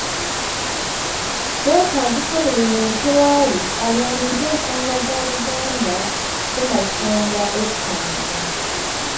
Kyetaagisa buli muntu w'ali alwanirire ensonga za Buganda Ssemasonga ettaano